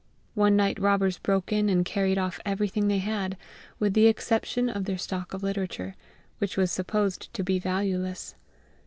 One night robbers broke in and carried off everything they had, with the exception of their stock of literature, which was supposed to be valueless.